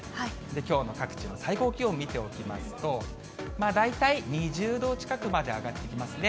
きょうの各地の最高気温、見ておきますと、大体２０度近くまで上がってきますね。